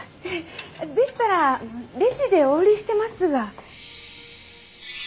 でしたらレジでお売りしてますが。